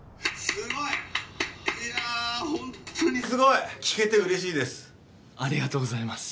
．．．すごい！